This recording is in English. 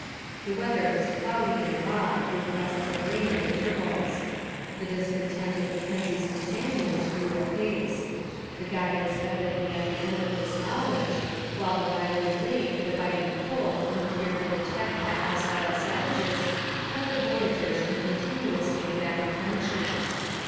The weather was cloudy and raw, with gusts of rain at intervals. The discontent of Mackenzie's companions grew apace: the guide was evidently at the end of his knowledge; while the violent rain, the biting cold and the fear of an attack by hostile savages kept the voyageurs in a continual state of apprehension.